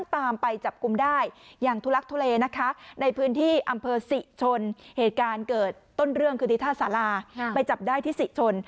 ต้นเรื่องคือที่ท่าศาลาไปจับได้ที่ศิษย์ชน